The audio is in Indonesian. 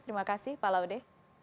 terima kasih pak laude